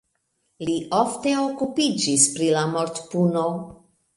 Li ofte okupiĝis pri la mortpuno.